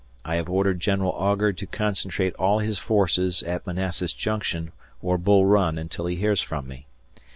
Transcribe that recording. I have ordered General Augur to concentrate all his forces at Manassas Junction or Bull Run until he hears from me.